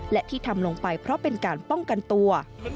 และที่ทำลงไปเพราะเป็นการป้องกันตัว